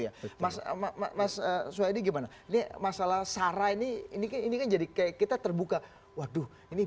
ya mas mas soedi gimana ini masalah sarah ini ini kan jadi kayak kita terbuka waduh ini